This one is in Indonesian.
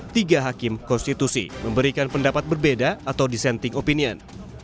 tiga hakim konstitusi memberikan pendapat berbeda atau dissenting opinion